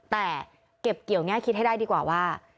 แต่เก็บเกี่ยวแง่คิดให้ได้ดีกว่าว่า